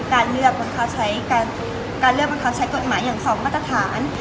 การเลือกบังคับใช้กฎหมายอย่างสองมาตรฐาน